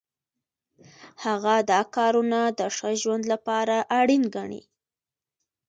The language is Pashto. هغه دا کارونه د ښه ژوند لپاره اړین ګڼي.